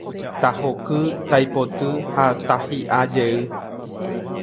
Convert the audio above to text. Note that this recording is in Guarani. Tahoky, taipoty ha tahi'ajey